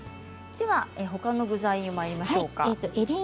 ほかの具材にいきましょうか。